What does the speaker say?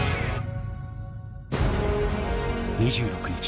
［２６日。